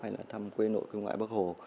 hay là thăm quê nội cương ngoại bắc hồ